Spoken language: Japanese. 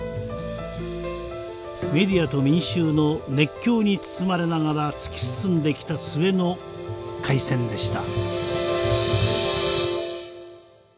メディアと民衆の熱狂に包まれながら突き進んできた末の開戦でした。